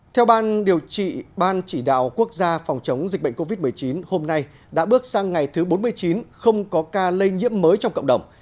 theo ban điều trị ban chỉ đạo quốc gia phòng chống dịch bệnh covid một mươi chín hôm nay đã bước sang ngày thứ bốn mươi chín không có ca lây nhiễm mới trong cộng đồng